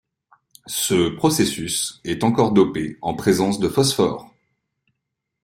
Ce processus est encore dopé en présence de phosphore.